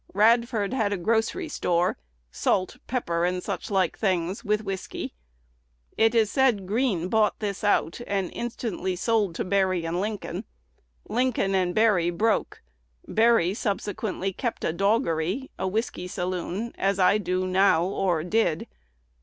Radford had a grocery store, salt, pepper, and suchlike things, with whiskey. It is said Green bought this out, and instantly sold to Berry & Lincoln. Lincoln & Berry broke. Berry subsequently kept a doggery, a whiskey saloon, as I do now, or did.